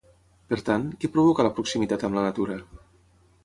Per tant, què provoca la proximitat amb la natura?